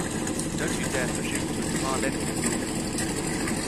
Don't you dare presume to demand anything of me!